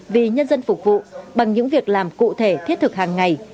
vì nhân dân phục vụ bằng những việc làm cụ thể thiết thực hàng ngày